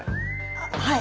あっはい。